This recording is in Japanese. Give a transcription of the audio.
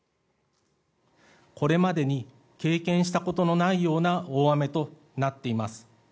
これまでに経験したことのないような大雨となっています。